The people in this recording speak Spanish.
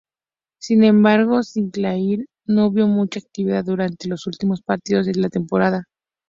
Sin embargo, Sinclair no vio mucha actividad durante los últimos partidos de la temporada.